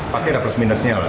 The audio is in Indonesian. pasti ada plus minusnya lah